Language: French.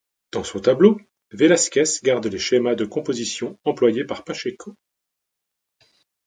Dans son tableau, Velázquez garde les schémas de composition employés par Pacheco.